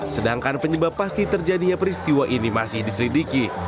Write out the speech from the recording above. sedangkan penyebab pasti terjadinya peristiwa ini masih diselidiki